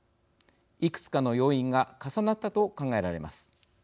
いくつかの要因が重なったと考えられます。